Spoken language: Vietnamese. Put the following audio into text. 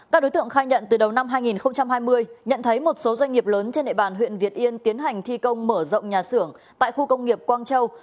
các đối tượng khai nhận từ đầu năm hai nghìn hai mươi nhận thấy một số doanh nghiệp lớn trên địa bàn huyện việt yên tiến hành thi công mở rộng nhà xưởng tại khu công nghiệp quang châu